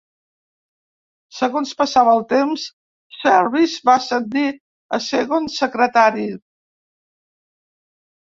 Segons passava el temps, Service va ascendir a Segon secretari.